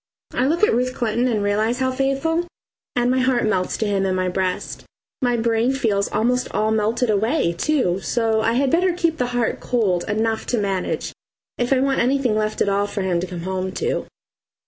I look at Ruth Clinton and realise how faithful, and my heart melts to him in my breast my brain feels almost all melted away, too, so I had better keep the heart cold enough to manage, if I want anything left at all for him to come home to.